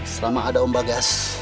selama ada om bagas